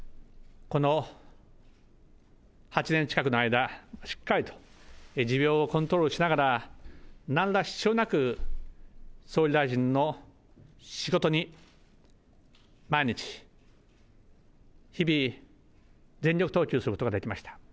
この８年近くの間、しっかりと持病をコントロールしながら、なんら支障なく総理大臣の仕事に毎日、日々、全力投球することができました。